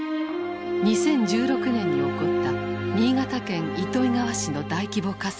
２０１６年に起こった新潟県糸魚川市の大規模火災。